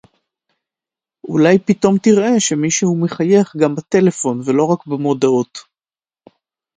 אולי פתאום תראה שמישהו מחייך גם בטלפון ולא רק במודעות